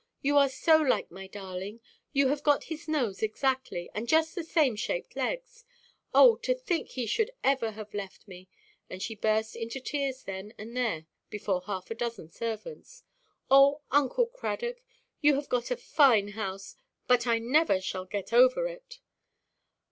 You are so like my darling—you have got his nose exactly, and just the same shaped legs. Oh, to think he should ever have left me!" And she burst into tears then and there before half a dozen servants. "Oh, Uncle Cradock, you have got a fine house; but I never shall get over it."